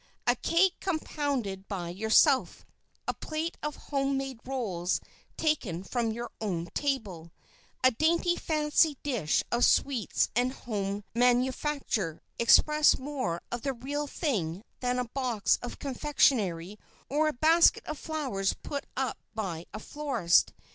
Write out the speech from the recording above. A cake compounded by yourself; a plate of home made rolls taken from your own table; a dainty fancy dish of sweets of home manufacture, express more of the "real thing" than a box of confectionery or a basket of flowers put up by a florist.